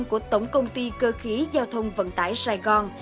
của tổng công ty cơ khí giao thông vận tải sài gòn